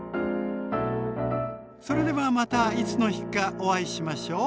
それではまたいつの日かお会いしましょう。